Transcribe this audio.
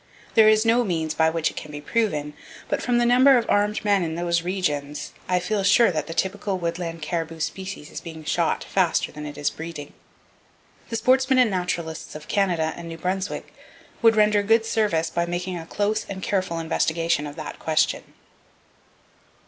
There is no means by which it can be proven, but from the number of armed men in those regions I feel sure that the typical woodland caribou species is being shot faster than it is breeding. The sportsmen and naturalists of Canada and New Brunswick would render good service by making a close and careful investigation of that question.